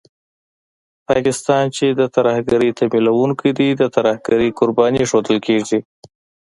پاکستان چې د ترهګرۍ تمويلوونکی دی، د ترهګرۍ قرباني ښودل کېږي